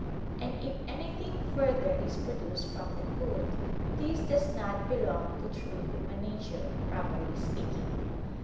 And if anything further is produced from the food, this does not belong to true human nature, properly speaking.